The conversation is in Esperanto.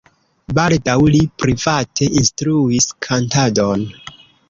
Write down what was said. Baldaŭ li private instruis kantadon.